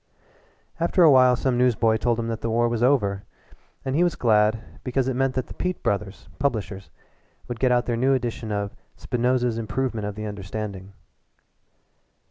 After a while some newsboy told him that the war was over, and he was glad, because it meant that Peat Brothers, publishers, would get out their new edition of "Spinoza's Improvement of the Understanding."